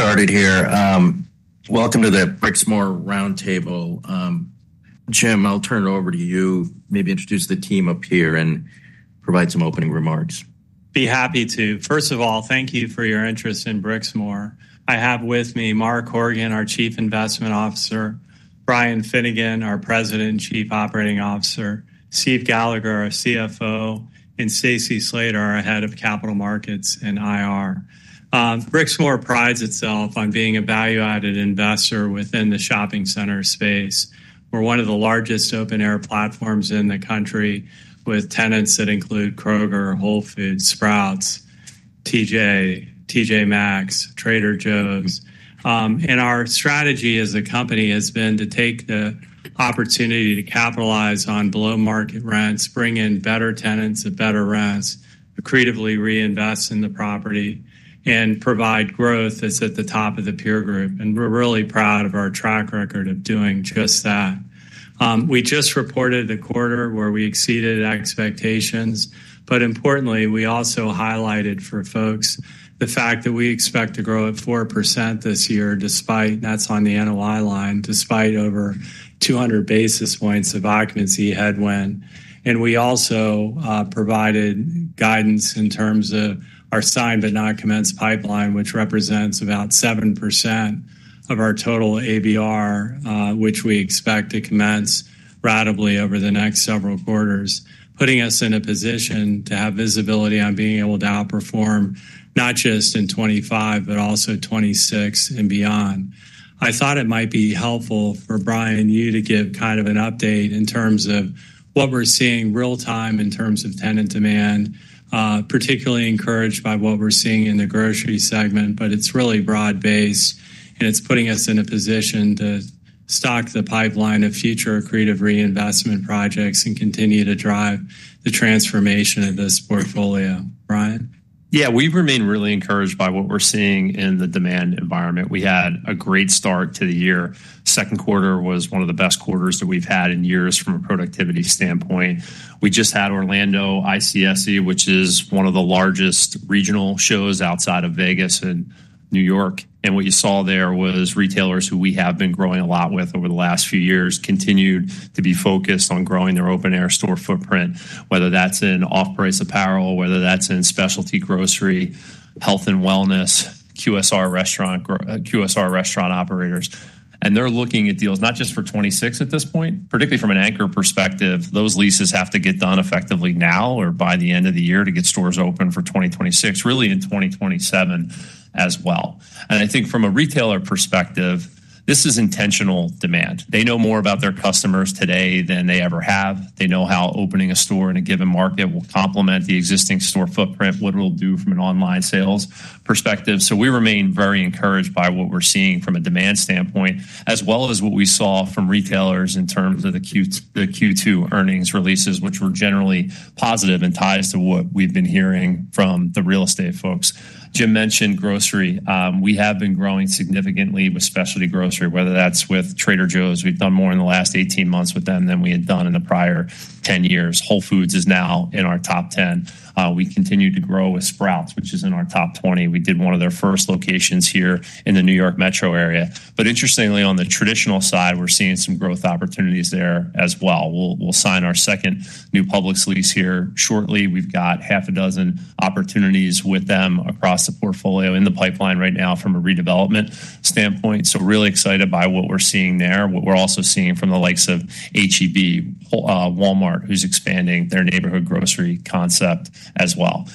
Started here. Welcome to the Brixmor Roundtable. Jim, I'll turn it over to you, maybe introduce the team up here and provide some opening remarks. Be happy to. First of all, thank you for your interest in Brixmor. I have with me Mark Horgan, our Chief Investment Officer, Brian Finnegan, our President and Chief Operating Officer, Steve Gallagher, our Chief Financial Officer, and Stacy Slater, our Head of Capital Markets and Investor Relations. Brixmor prides itself on being a value-added investor within the shopping center space. We're one of the largest open-air platforms in the country with tenants that include Kroger, Whole Foods, Sprouts, TJ Maxx, Trader Joe's. Our strategy as a company has been to take the opportunity to capitalize on below-market rents, bring in better tenants at better rents, creatively reinvest in the property, and provide growth that's at the top of the peer group. We're really proud of our track record of doing just that. We just reported a quarter where we exceeded expectations. Importantly, we also highlighted for folks the fact that we expect to grow at 4% this year on the NOI line, despite over 200 basis points of occupancy headwind. We also provided guidance in terms of our signed but not commenced pipeline, which represents about 7% of our total ABR, which we expect to commence rapidly over the next several quarters, putting us in a position to have visibility on being able to outperform not just in 2025 but also 2026 and beyond. I thought it might be helpful for Brian, you to give kind of an update in terms of what we're seeing real-time in terms of tenant demand, particularly encouraged by what we're seeing in the grocery segment. It's really broad-based and it's putting us in a position to stock the pipeline of future creative reinvestment projects and continue to drive the transformation of this portfolio. Brian. Yeah, we remain really encouraged by what we're seeing in the demand environment. We had a great start to the year. The second quarter was one of the best quarters that we've had in years from a productivity standpoint. We just had Orlando ICSC, which is one of the largest regional shows outside of Vegas and New York. What you saw there was retailers who we have been growing a lot with over the last few years continued to be focused on growing their open-air store footprint, whether that's in off-price apparel, whether that's in specialty grocery, health and wellness, QSR restaurant operators. They're looking at deals not just for 2026 at this point, particularly from an anchor perspective. Those leases have to get done effectively now or by the end of the year to get stores open for 2026, really in 2027 as well. I think from a retailer perspective, this is intentional demand. They know more about their customers today than they ever have. They know how opening a store in a given market will complement the existing store footprint, what it will do from an online sales perspective. We remain very encouraged by what we're seeing from a demand standpoint, as well as what we saw from retailers in terms of the Q2 earnings releases, which were generally positive and ties to what we've been hearing from the real estate folks. Jim mentioned grocery. We have been growing significantly with specialty grocery, whether that's with Trader Joe’s. We've done more in the last 18 months with them than we had done in the prior 10 years. Whole Foods is now in our top 10. We continue to grow with Sprouts, which is in our top 20. We did one of their first locations here in the New York metro area. Interestingly, on the traditional side, we're seeing some growth opportunities there as well. We'll sign our second new public lease here shortly. We've got half a dozen opportunities with them across the portfolio in the pipeline right now from a redevelopment standpoint. Really excited by what we're seeing there. We're also seeing from the likes of H-E-B, Walmart, who's expanding their neighborhood grocery concept as well.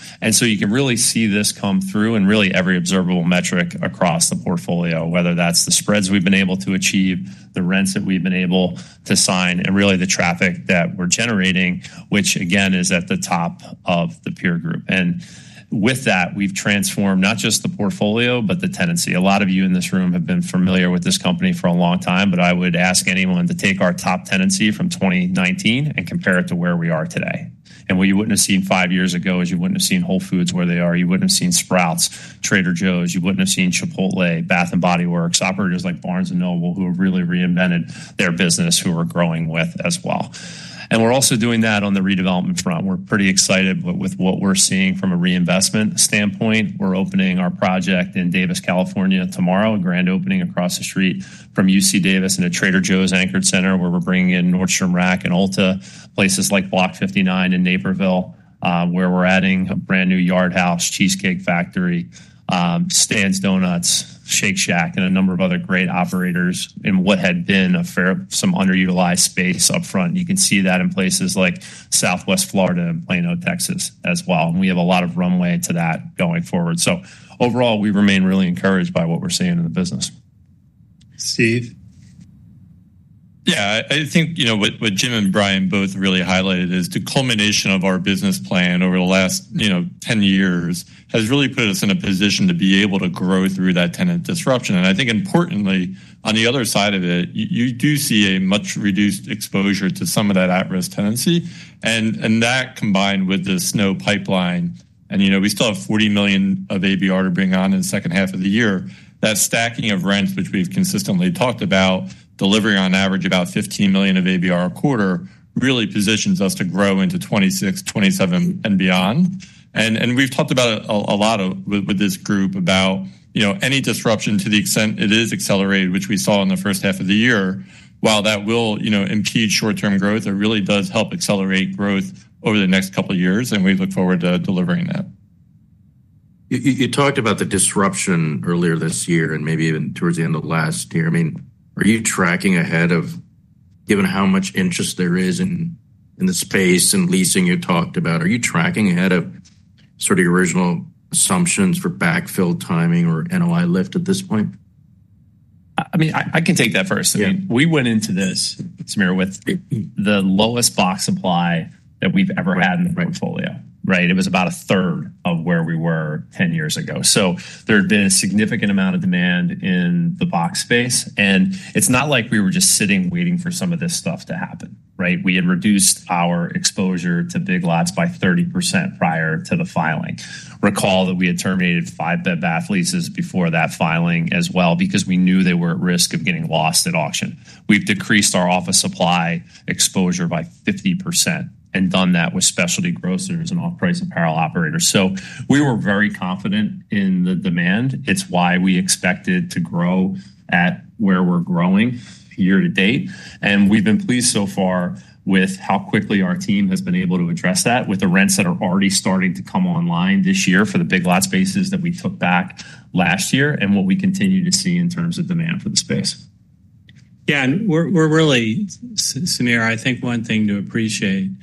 You can really see this come through in really every observable metric across the portfolio, whether that's the spreads we've been able to achieve, the rents that we've been able to sign, and really the traffic that we're generating, which again is at the top of the peer group. With that, we've transformed not just the portfolio but the tenancy. A lot of you in this room have been familiar with this company for a long time, but I would ask anyone to take our top tenancy from 2019 and compare it to where we are today. What you wouldn't have seen five years ago is you wouldn't have seen Whole Foods where they are. You wouldn't have seen Sprouts, Trader Joe's. You wouldn't have seen Chipotle, Bath & Body Works, operators like Barnes & Noble who have really reinvented their business, who we're growing with as well. We're also doing that on the redevelopment front. We're pretty excited with what we're seeing from a reinvestment standpoint. We're opening our project in Davis, California, tomorrow, a grand opening across the street from UC Davis and a Trader Joe's anchored center where we're bringing in Nordstrom Rack and Ulta, places like Block 59 in Naperville, where we're adding a brand new Yardhouse, Cheesecake Factory, Stan's Donuts, Shake Shack, and a number of other great operators in what had been a fair some underutilized space up front. You can see that in places like Southwest Florida and Plano, Texas, as well. We have a lot of runway to that going forward. Overall, we remain really encouraged by what we're seeing in the business. Steve. I think what Jim and Brian both really highlighted is the culmination of our business plan over the last 10 years has really put us in a position to be able to grow through that tenant disruption. I think importantly, on the other side of it, you do see a much reduced exposure to some of that at-risk tenancy. That combined with this snow pipeline, and we still have $40 million of ABR to bring on in the second half of the year, that stacking of rents, which we've consistently talked about, delivering on average about $15 million of ABR a quarter, really positions us to grow into 2026, 2027, and beyond. We've talked a lot with this group about any disruption to the extent it is accelerated, which we saw in the first half of the year. While that will impede short-term growth, it really does help accelerate growth over the next couple of years. We look forward to delivering that. You talked about the disruption earlier this year and maybe even towards the end of last year. I mean, are you tracking ahead of, given how much interest there is in the space and leasing you talked about? Are you tracking ahead of sort of your original assumptions for backfill timing or NOI lift at this point? I mean, I can take that first. We went into this, Samir, with the lowest box supply that we've ever had in the portfolio, right? It was about a third of where we were 10 years ago. There had been a significant amount of demand in the box space. It's not like we were just sitting waiting for some of this stuff to happen, right? We had reduced our exposure to Big Lots by 30% prior to the filing. Recall that we had terminated five Bed Bath & Beyond leases before that filing as well because we knew they were at risk of getting lost at auction. We've decreased our office supply exposure by 50% and done that with specialty grocers and off-price apparel operators. We were very confident in the demand. It's why we expected to grow at where we're growing year to date. We've been pleased so far with how quickly our team has been able to address that with the rents that are already starting to come online this year for the Big Lots spaces that we took back last year and what we continue to see in terms of demand for the space. Yeah, and we're really, Samir, I think one thing to appreciate is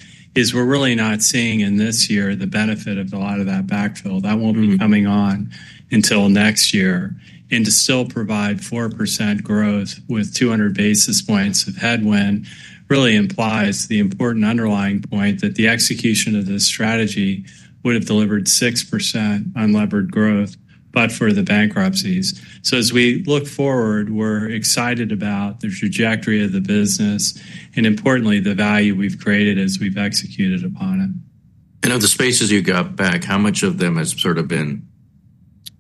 we're really not seeing in this year the benefit of a lot of that backfill. That won't be coming on until next year. To still provide 4% growth with 200 basis points of headwind really implies the important underlying point that the execution of this strategy would have delivered 6% unlevered growth but for the bankruptcies. As we look forward, we're excited about the trajectory of the business and importantly the value we've created as we've executed upon it. Of the spaces you got back, how much of them has sort of been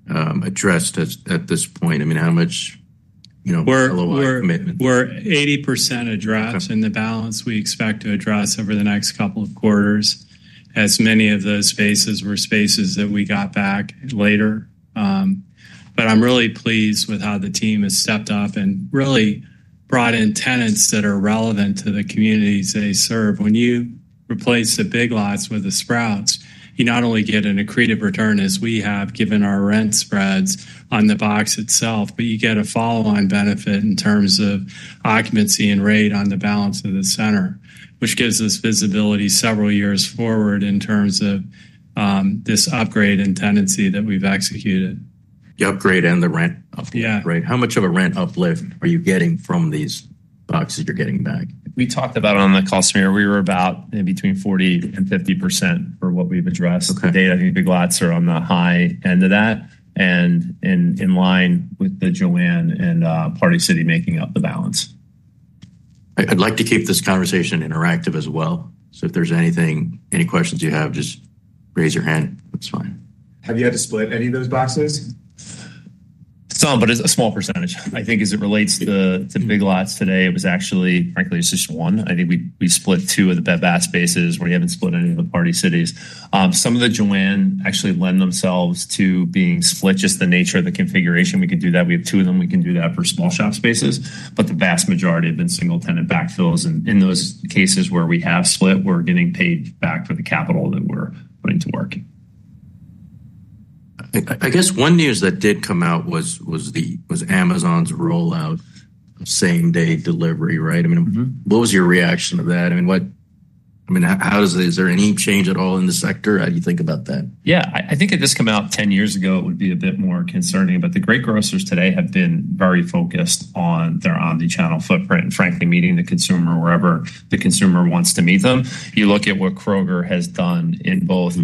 addressed at this point? I mean, how much, you know, LOI commitment? We're 80% addressed, and the balance we expect to address over the next couple of quarters, as many of those spaces were spaces that we got back later. I'm really pleased with how the team has stepped up and really brought in tenants that are relevant to the communities they serve. When you replace the Big Lots with the Sprouts, you not only get an accretive return, as we have given our rent spreads on the box itself, but you get a follow-on benefit in terms of occupancy and rate on the balance of the center, which gives us visibility several years forward in terms of this upgrade in tenancy that we've executed. The upgrade and the rent. Yeah. Right. How much of a rent uplift are you getting from these boxes you're getting back? We talked about on the call, Samir, we were about in between 40% and 50% for what we've addressed. The data and the Big Lots are on the high end of that and in line with the Joann and Party City making up the balance. I'd like to keep this conversation interactive as well. If there's anything, any questions you have, just raise your hand. That's fine. Have you had to split any of those boxes? Some, but it's a small percentage. I think as it relates to the Big Lots today, it was actually, frankly, just one. I think we split two of the Bed Bath & Beyond spaces where you haven't split any of the Party City locations. Some of the Joann actually lend themselves to being split, just the nature of the configuration. We can do that. We have two of them. We can do that for small shop spaces. The vast majority have been single-tenant backfills. In those cases where we have split, we're getting paid back for the capital that we're putting to work. I guess one news that did come out was Amazon's rollout of same-day delivery, right? What was your reaction to that? How is there any change at all in the sector? How do you think about that? Yeah, I think if this came out 10 years ago, it would be a bit more concerning. The great grocers today have been very focused on their omnichannel footprint and frankly meeting the consumer wherever the consumer wants to meet them. You look at what Kroger has done in both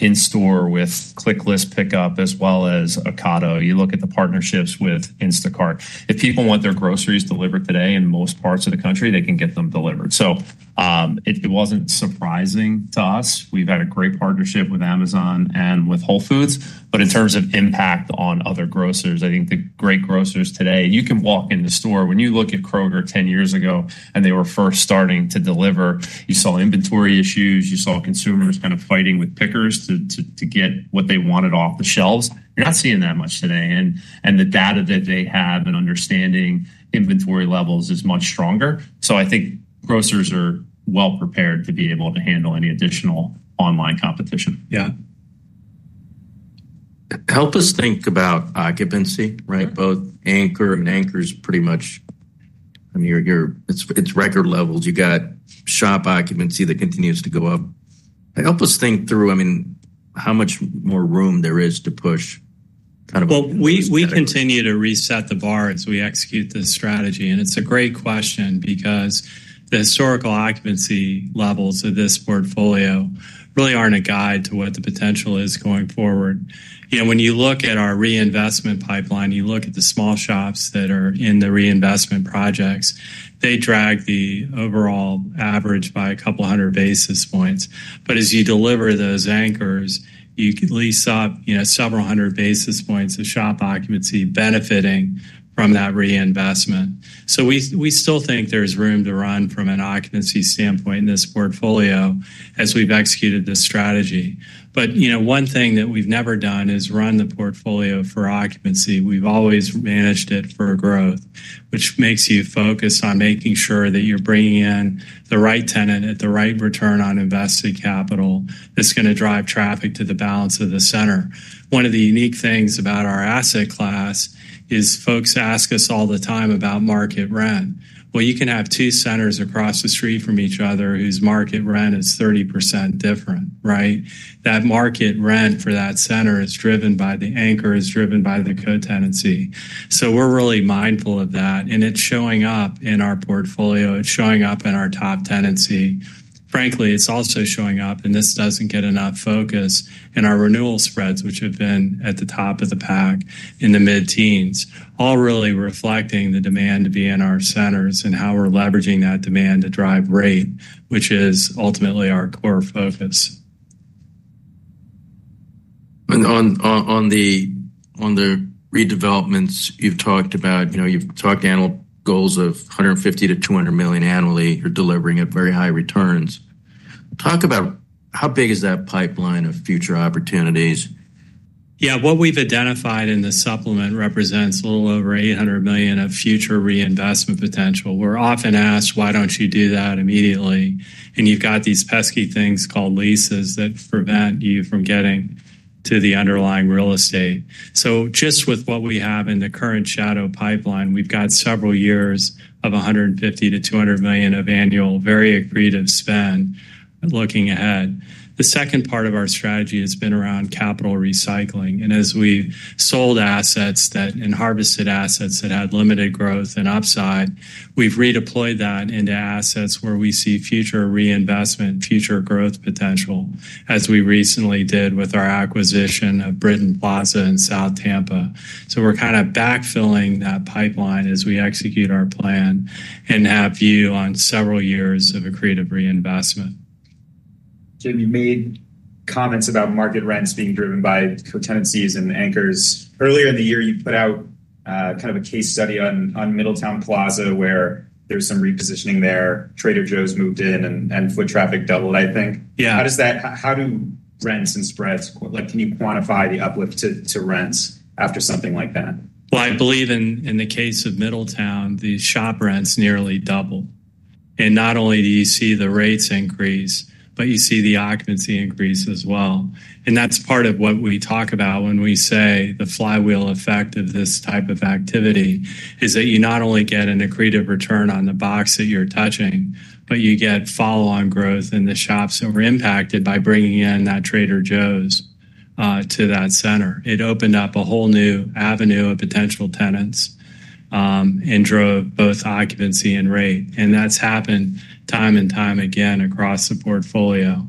in-store with ClickList pickup as well as Ocado. You look at the partnerships with Instacart. If people want their groceries delivered today in most parts of the country, they can get them delivered. It wasn't surprising to us. We've had a great partnership with Amazon and with Whole Foods. In terms of impact on other grocers, I think the great grocers today, you can walk in the store. When you look at Kroger 10 years ago and they were first starting to deliver, you saw inventory issues. You saw consumers kind of fighting with pickers to get what they wanted off the shelves. You're not seeing that much today. The data that they have and understanding inventory levels is much stronger. I think grocers are well prepared to be able to handle any additional online competition. Yeah. Help us think about occupancy, right? Both anchor and anchor is pretty much, I mean, it's record levels. You've got shop occupancy that continues to go up. Help us think through how much more room there is to push kind of. We continue to reset the bar as we execute the strategy. It's a great question because the historical occupancy levels of this portfolio really aren't a guide to what the potential is going forward. When you look at our reinvestment pipeline, you look at the small shops that are in the reinvestment projects, they drag the overall average by a couple hundred basis points. As you deliver those anchors, you can lease up several hundred basis points of shop occupancy benefiting from that reinvestment. We still think there's room to run from an occupancy standpoint in this portfolio as we've executed this strategy. One thing that we've never done is run the portfolio for occupancy. We've always managed it for growth, which makes you focus on making sure that you're bringing in the right tenant at the right return on invested capital that's going to drive traffic to the balance of the center. One of the unique things about our asset class is folks ask us all the time about market rent. You can have two centers across the street from each other whose market rent is 30% different, right? That market rent for that center is driven by the anchor, is driven by the co-tenancy. We're really mindful of that. It's showing up in our portfolio. It's showing up in our top tenancy. Frankly, it's also showing up, and this doesn't get enough focus, in our renewal spreads, which have been at the top of the pack in the mid-teens, all really reflecting the demand to be in our centers and how we're leveraging that demand to drive rate, which is ultimately our core focus. On the redevelopments you've talked about, you've talked annual goals of $150 to $200 million annually. You're delivering at very high returns. Talk about how big is that pipeline of future opportunities? Yeah, what we've identified in the supplement represents a little over $800 million of future reinvestment potential. We're often asked, why don't you do that immediately? You've got these pesky things called leases that prevent you from getting to the underlying real estate. Just with what we have in the current shadow pipeline, we've got several years of $150 to $200 million of annual very accretive spend looking ahead. The second part of our strategy has been around capital recycling. As we've sold assets and harvested assets that had limited growth and upside, we've redeployed that into assets where we see future reinvestment, future growth potential, as we recently did with our acquisition of Britton Plaza in South Tampa. We're kind of backfilling that pipeline as we execute our plan and have view on several years of accretive reinvestment. Jim, you made comments about market rents being driven by co-tenancy and anchors. Earlier in the year, you put out kind of a case study on Middletown Plaza where there's some repositioning there. Trader Joe’s moved in and foot traffic doubled, I think. Yeah. How does that, how do rents and spreads, like, can you quantify the uplift to rents after something like that? I believe in the case of Middletown, these shop rents nearly doubled. Not only do you see the rates increase, but you see the occupancy increase as well. That is part of what we talk about when we say the flywheel effect of this type of activity is that you not only get an accretive return on the box that you're touching, but you get follow-on growth in the shops that were impacted by bringing in that Trader Joe’s to that center. It opened up a whole new avenue of potential tenants and drove both occupancy and rate. That has happened time and time again across the portfolio.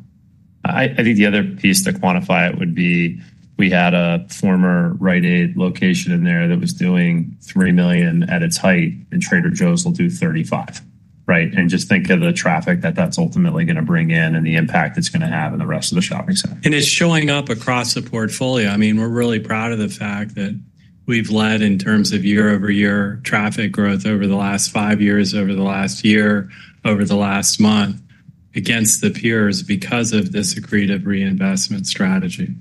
I think the other piece to quantify it would be we had a former Rite Aid location in there that was doing $3 million at its height, and Trader Joe’s will do $35 million, right? Just think of the traffic that that's ultimately going to bring in and the impact it's going to have in the rest of the shops. It is showing up across the portfolio. We are really proud of the fact that we have led in terms of year-over-year traffic growth over the last five years, over the last year, over the last month against the peers because of this accretive reinvestment strategy.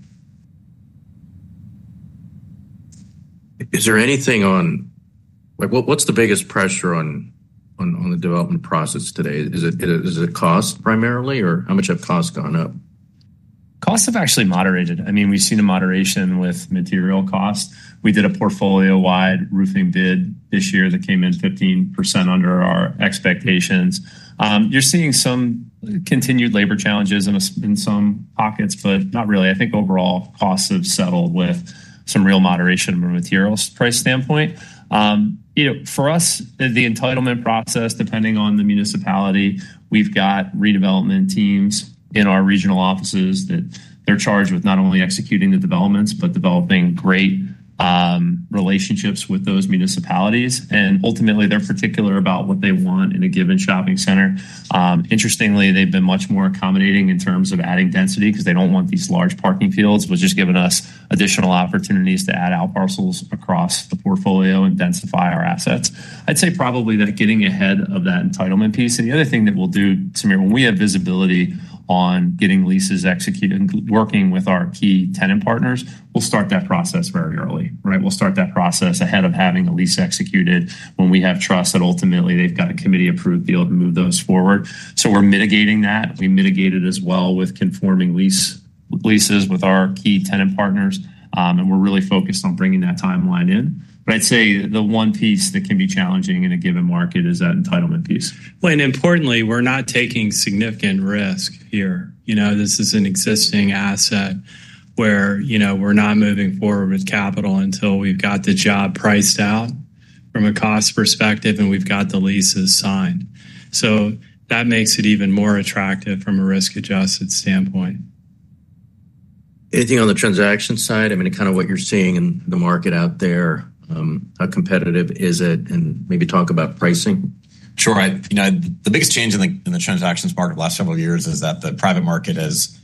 Is there anything on, like, what's the biggest pressure on the development process today? Is it cost primarily, or how much have costs gone up? Costs have actually moderated. I mean, we've seen a moderation with material costs. We did a portfolio-wide roofing bid this year that came in 15% under our expectations. You're seeing some continued labor challenges in some pockets, but not really. I think overall costs have settled with some real moderation from a materials price standpoint. You know, for us, the entitlement process, depending on the municipality, we've got redevelopment teams in our regional offices that they're charged with not only executing the developments but developing great relationships with those municipalities. Ultimately, they're particular about what they want in a given shopping center. Interestingly, they've been much more accommodating in terms of adding density because they don't want these large parking fields, which has given us additional opportunities to add out parcels across the portfolio and densify our assets. I'd say probably that getting ahead of that entitlement piece. The other thing that we'll do, Samir, when we have visibility on getting leases executed and working with our key tenant partners, we'll start that process very early, right? We'll start that process ahead of having a lease executed when we have trust that ultimately they've got a committee approved to be able to move those forward. We're mitigating that. We mitigate it as well with conforming leases with our key tenant partners. We're really focused on bringing that timeline in. I'd say the one piece that can be challenging in a given market is that entitlement piece. Importantly, we're not taking significant risk here. This is an existing asset where we're not moving forward with capital until we've got the job priced out from a cost perspective and we've got the leases signed. That makes it even more attractive from a risk-adjusted standpoint. Anything on the transaction side? I mean, kind of what you're seeing in the market out there, how competitive is it, and maybe talk about pricing? Sure. The biggest change in the transactions part of the last several years is that the private market has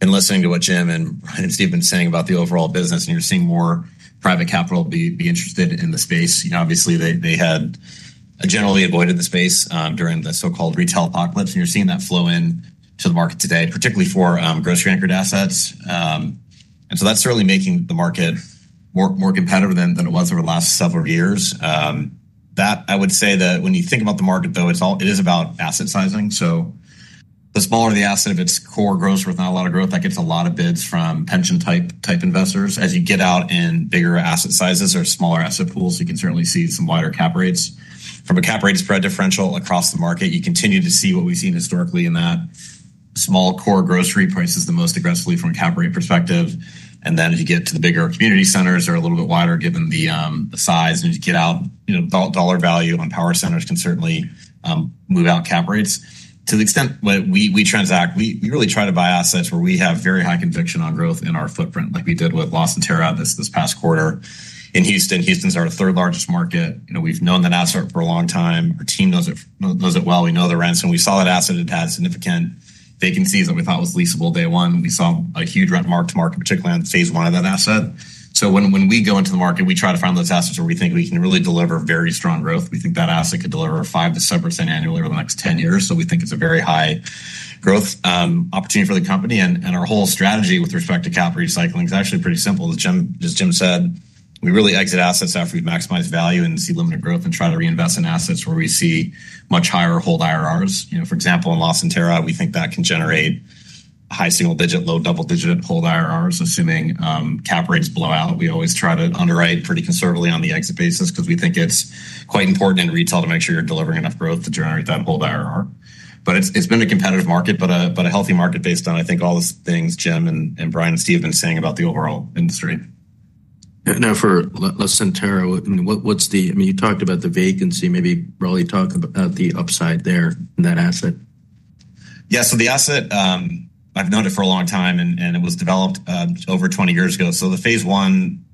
been listening to what Jim and Steve have been saying about the overall business. You're seeing more private capital be interested in the space. Obviously, they had generally avoided the space during the so-called retail apocalypse. You're seeing that flow into the market today, particularly for grocery anchored assets. That's certainly making the market more competitive than it was over the last several years. When you think about the market, though, it is about asset sizing. The smaller the asset, its core gross with not a lot of growth, that gets a lot of bids from pension type investors. As you get out in bigger asset sizes or smaller asset pools, you can certainly see some wider cap rates. From a cap rate spread differential across the market, you continue to see what we've seen historically in that small core grocery prices the most aggressively from a cap rate perspective. As you get to the bigger community centers, they're a little bit wider given the size. As you get out, dollar value on power centers can certainly move out cap rates. To the extent that we transact, we really try to buy assets where we have very high conviction on growth in our footprint, like we did with Lawson Terra this past quarter in Houston. Houston's our third largest market. We've known that asset for a long time. Our team knows it well. We know the rents. We saw that asset that had significant vacancies that we thought was leasable day one. We saw a huge rent mark to market, particularly on phase one of that asset. When we go into the market, we try to find those assets where we think we can really deliver very strong growth. We think that asset could deliver 5% to 7% annually over the next 10 years. We think it's a very high growth opportunity for the company. Our whole strategy with respect to capital recycling is actually pretty simple. As Jim said, we really exit assets after we've maximized value and see limited growth and try to reinvest in assets where we see much higher hold IRRs. For example, in Lawson Terra, we think that can generate high single digit, low double digit hold IRRs, assuming cap rates blow out. We always try to underwrite pretty conservatively on the exit basis because we think it's quite important in retail to make sure you're delivering enough growth to generate that hold IRR. It's been a competitive market, but a healthy market based on, I think, all the things Jim and Brian and Steve have been saying about the overall industry. Now, for Lawson Terra, what's the, I mean, you talked about the vacancy. Maybe really talk about the upside there in that asset. Yeah, so the asset, I've known it for a long time, and it was developed over 20 years ago. The phase one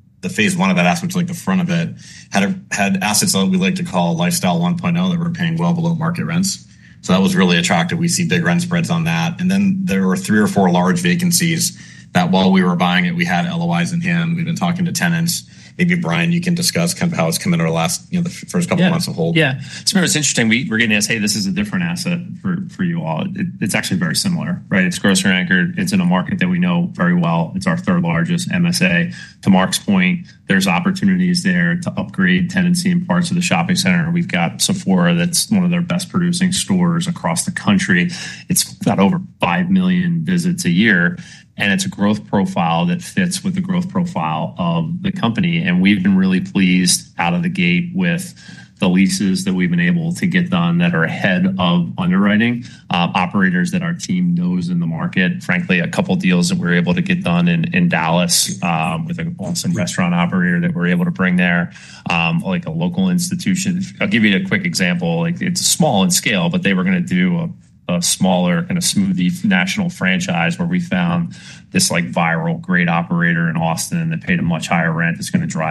of that asset, like the front of it, had assets that we like to call lifestyle 1.0 that were paying well below market rents. That was really attractive. We see big rent spreads on that. There were three or four large vacancies that while we were buying it, we had LOIs in hand. We've been talking to tenants. Maybe Brian, you can discuss kind of how it's come in our last, you know, the first couple of months of hold. Yeah. It's very interesting. We're getting asked, hey, this is a different asset for you all. It's actually very similar, right? It's grocery anchored. It's in a market that we know very well. It's our third largest MSA. To Mark's point, there's opportunities there to upgrade tenancy in parts of the shopping center. We've got Sephora that's one of their best producing stores across the country. It's got over 5 million visits a year. It's a growth profile that fits with the growth profile of the company. We've been really pleased out of the gate with the leases that we've been able to get done that are ahead of underwriting, operators that our team knows in the market. Frankly, a couple of deals that we were able to get done in Dallas with an awesome restaurant operator that we were able to bring there, like a local institution. I'll give you a quick example. It's small in scale, but they were going to do a smaller kind of smoothie national franchise where we found this viral great operator in Austin that paid a much higher rent that's going to drive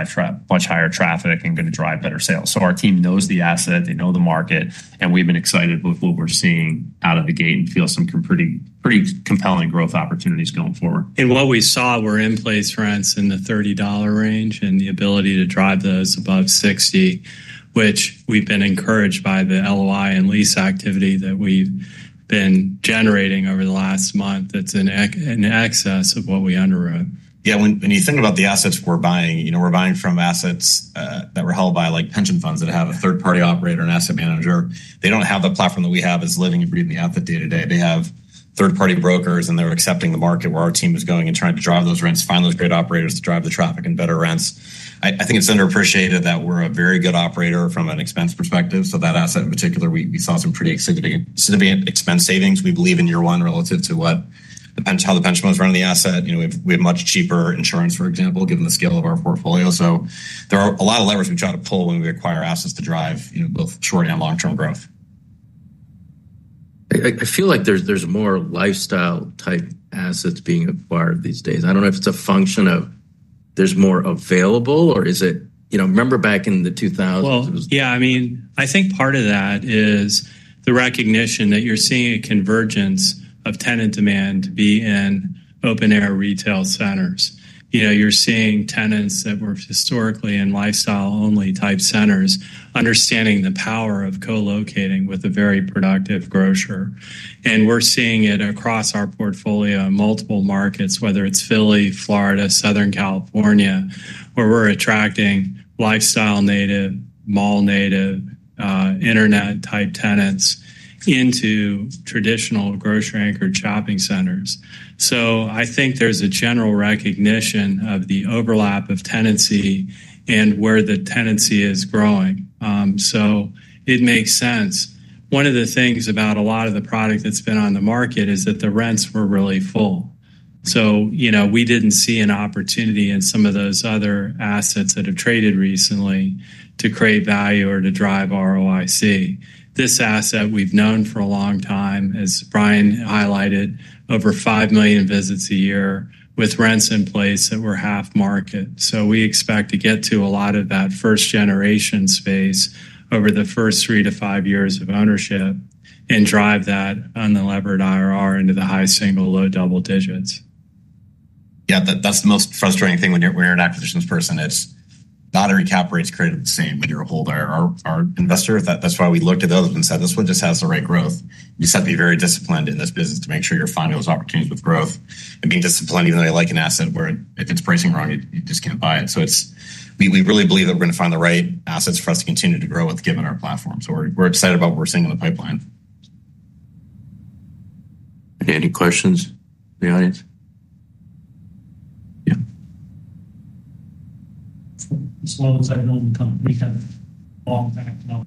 much higher traffic and going to drive better sales. Our team knows the asset, they know the market, and we've been excited with what we're seeing out of the gate and feel some pretty compelling growth opportunities going forward. We saw in-place rents in the $30 range and the ability to drive those above $60, which we've been encouraged by the LOI and lease activity that we've been generating over the last month that's in excess of what we underwrote. Yeah, when you think about the assets we're buying, we're buying from assets that were held by pension funds that have a third-party operator and asset manager. They don't have the platform that we have as living and breathing the asset day to day. They have third-party brokers, and they're accepting the market where our team is going and trying to drive those rents, find those great operators to drive the traffic and better rents. I think it's underappreciated that we're a very good operator from an expense perspective. That asset in particular, we saw some pretty significant expense savings. We believe in year one relative to what the benchmark is running the asset. We have much cheaper insurance, for example, given the scale of our portfolio. There are a lot of levers we try to pull when we acquire assets to drive both short and long-term growth. I feel like there's more lifestyle type assets being acquired these days. I don't know if it's a function of there's more available, or is it, you know, remember back in the 2000s. I think part of that is the recognition that you're seeing a convergence of tenant demand to be in open-air retail centers. You're seeing tenants that were historically in lifestyle-only type centers understanding the power of co-locating with a very productive grocer. We're seeing it across our portfolio in multiple markets, whether it's Philly, Florida, Southern California, where we're attracting lifestyle-native, mall-native, internet-type tenants into traditional grocery-anchored shopping centers. I think there's a general recognition of the overlap of tenancy and where the tenancy is growing. It makes sense. One of the things about a lot of the product that's been on the market is that the rents were really full. We didn't see an opportunity in some of those other assets that have traded recently to create value or to drive ROIC. This asset we've known for a long time, as Brian highlighted, over 5 million visits a year with rents in place that were half market. We expect to get to a lot of that first-generation space over the first three to five years of ownership and drive that unlevered IRR into the high single, low double digits. Yeah, that's the most frustrating thing when you're an acquisitions person. Not every cap rate is created the same when you're a holder or investor. That's why we looked at those and said, this one just has the right growth. You just have to be very disciplined in this business to make sure you're finding those opportunities with growth. Being disciplined is like an asset where if it's pricing wrong, you just can't buy it. We really believe that we're going to find the right assets for us to continue to grow with given our platform. We're excited about what we're seeing in the pipeline. Any questions from the audience? As long as I don't need to reset it. Long-term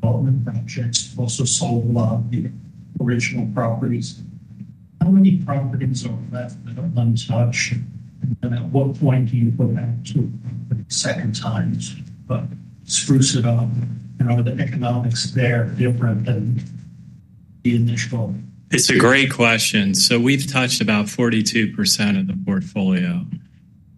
development projects. We've also sold a lot of the original properties. How many properties are left without themselves? For that, what time do you put it out to the second times? It's fruited on. All the economics there are different than the initial. It's a great question. We've touched about 42% of the portfolio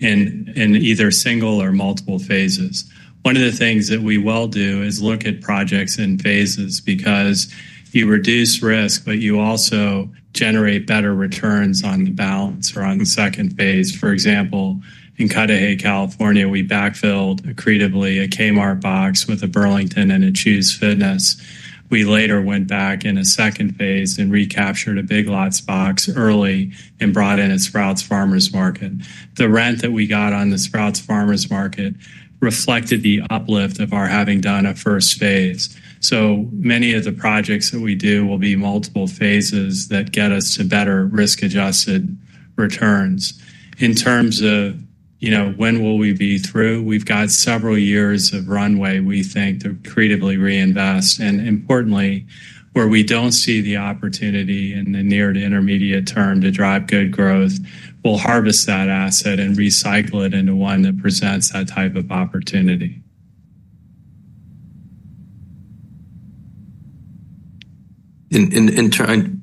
in either single or multiple phases. One of the things that we will do is look at projects in phases because you reduce risk, but you also generate better returns on the balance or on the second phase. For example, in Cudahy, California, we backfilled accretively a Kmart box with a Burlington and a Chuze Fitness. We later went back in a second phase and recaptured a Big Lots box early and brought in a Sprouts Farmers Market. The rent that we got on the Sprouts Farmers Market reflected the uplift of our having done a first phase. Many of the projects that we do will be multiple phases that get us to better risk-adjusted returns. In terms of when we will be through, we've got several years of runway, we think, to accretively reinvest. Importantly, where we don't see the opportunity in the near to intermediate term to drive good growth, we'll harvest that asset and recycle it into one that presents that type of opportunity.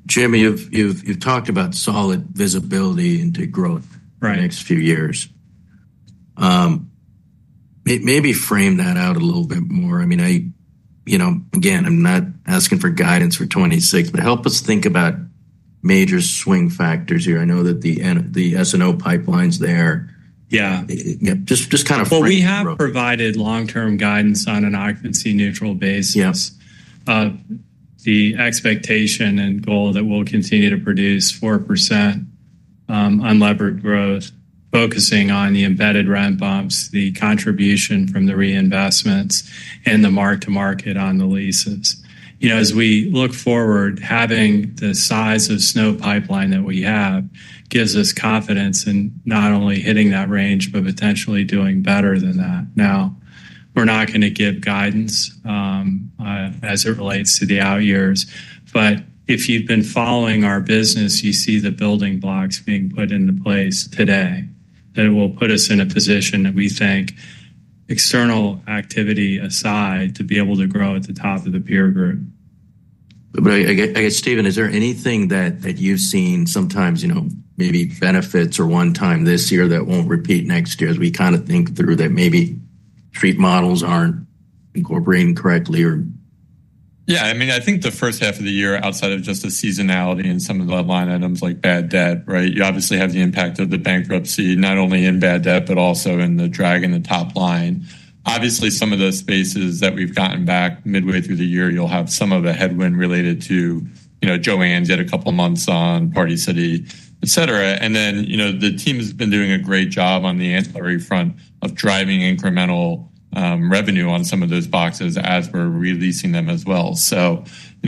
Jim, you've talked about solid visibility into growth for the next few years. Maybe frame that out a little bit more. I mean, I'm not asking for guidance for 2026, but help us think about major swing factors here. I know that the S&O pipelines are there. Just kind of. We have provided long-term guidance on an occupancy neutral basis. The expectation and goal that we'll continue to produce 4% unlevered growth, focusing on the embedded rent bumps, the contribution from the reinvestments, and the mark-to-market on the leases. As we look forward, having the size of snow pipeline that we have gives us confidence in not only hitting that range, but potentially doing better than that. Now, we're not going to give guidance as it relates to the out years. If you've been following our business, you see the building blocks being put into place today that will put us in a position that we think external activity aside to be able to grow at the top of the peer group. I guess, Steven, is there anything that you've seen sometimes, you know, maybe benefits or one time this year that won't repeat next year as we kind of think through that maybe treat models aren't incorporating correctly or. Yeah, I mean, I think the first half of the year, outside of just the seasonality and some of the line items like bad debt, you obviously have the impact of the bankruptcy, not only in bad debt, but also in the drag in the top line. Obviously, some of those spaces that we've gotten back midway through the year, you'll have some of the headwind related to, you know, Joann did a couple of months on Party City, et cetera. The team has been doing a great job on the ancillary front of driving incremental revenue on some of those boxes as we're releasing them as well.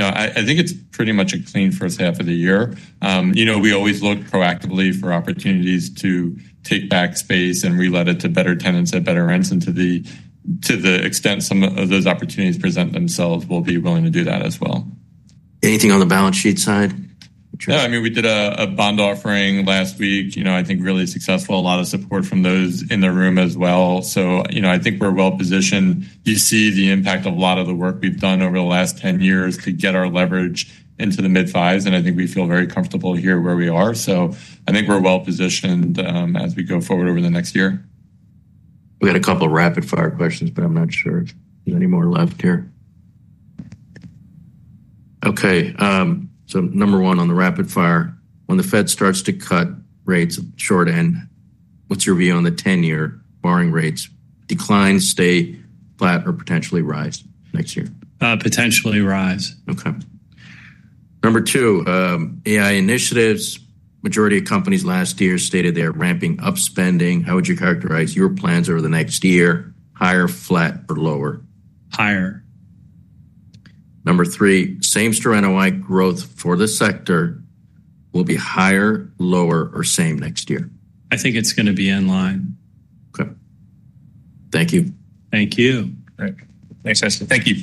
I think it's pretty much a clean first half of the year. We always look proactively for opportunities to take back space and relet it to better tenants at better rents, and to the extent some of those opportunities present themselves, we'll be willing to do that as well. Anything on the balance sheet side? Yeah, I mean, we did a bond offering last week. I think really successful, a lot of support from those in the room as well. I think we're well positioned. You see the impact of a lot of the work we've done over the last 10 years to get our leverage into the mid-fives. I think we feel very comfortable here where we are. I think we're well positioned as we go forward over the next year. We had a couple of rapid-fire questions, but I'm not sure if there's any more left here. Okay, number one on the rapid-fire, when the Fed starts to cut rates short end, what's your view on the 10-year borrowing rates: decline, stay flat, or potentially rise next year? Potentially rise. Okay. Number two, AI initiatives. Majority of companies last year stated they're ramping up spending. How would you characterize your plans over the next year? Higher, flat, or lower? Higher. Number three, same story on NOI growth for the sector. Will it be higher, lower, or same next year? I think it's going to be in line. Okay, thank you. Thank you. All right. Thanks, Ashley. Thank you.